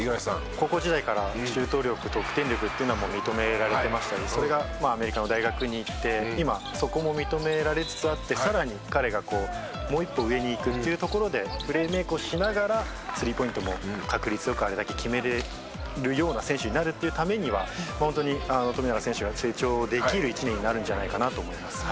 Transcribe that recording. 高校時代からシュート力得点力というのはもう認められてましたのでそれがアメリカの大学に行って今そこも認められつつあってさらに彼がもう一歩上に行くというところでプレーメイクをしながらスリーポイントも確率よくあれだけ決められるような選手になるというためにはホントに富永選手が成長できる１年になるんじゃないかなと思います。